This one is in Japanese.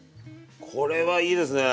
これはいいですね。